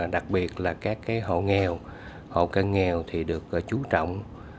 đặc biệt là các hộ nghèo hộ cân nghèo thì được chú trọng